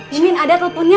mimin ada teleponnya